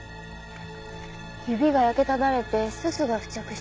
指が焼けただれてすすが付着してますね。